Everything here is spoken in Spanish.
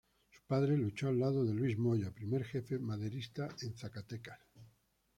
Su padre luchó al lado de Luis Moya, primer Jefe Maderista en Zacatecas.